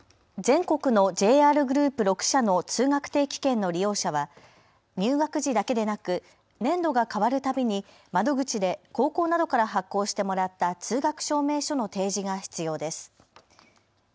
全国のＪＲグループ６社の通学定期券の利用者は入学時だけでなく年度が替わるたびに窓口で高校などから発行してもらった通学証明書の提示が必要です。